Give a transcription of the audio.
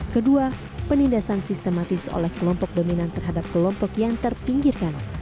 kedua penindasan sistematis oleh kelompok dominan terhadap kelompok yang terpinggirkan